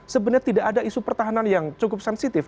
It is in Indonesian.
sebenarnya tidak ada isu pertahanan yang cukup sensitif